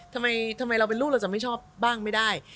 ทำไมเราเป็นลูกเราจะไม่ชอบบ้างไม่ได้